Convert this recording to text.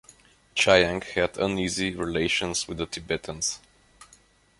Chiang had uneasy relations with the Tibetans.